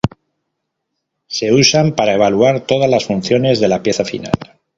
Se usan para evaluar todas las funciones de la pieza final.